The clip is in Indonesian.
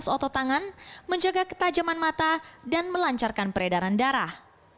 proses otot tangan menjaga ketajaman mata dan melancarkan peredaran darah